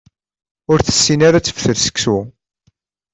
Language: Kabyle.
Ur tessin ara ad teftel seksu.